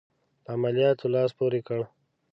په عملیاتو لاس پوري کړ.